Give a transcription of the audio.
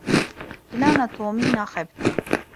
Plana Tomî naxebite.